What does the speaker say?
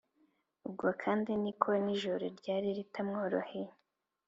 ubwo kandi ni ko n’ijoro ryari ritamworoheye.